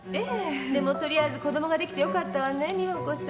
でも取りあえず子供ができてよかったわね美保子さん。